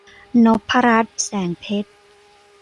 นพรัตน์ แสงเพชร